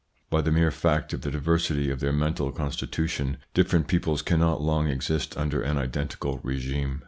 By the mere fact of the diversity of their mental constitution, different peoples cannot long exist under an identical regime.